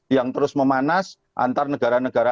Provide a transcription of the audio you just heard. yang terus memanas antar negara negara